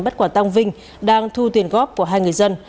bắt quả tăng vinh đang thu tiền góp của hai người dân